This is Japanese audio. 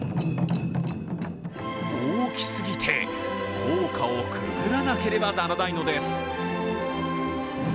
大きすぎて高架をくぐらなければならないのです。